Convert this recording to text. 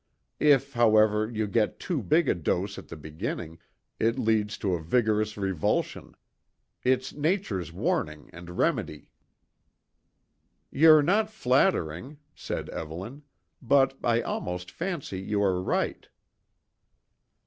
If, however, you get too big a dose at the beginning, it leads to a vigorous revulsion. It's nature's warning and remedy." "You're not flattering," said Evelyn. "But I almost fancy you are right."